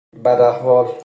بداحوال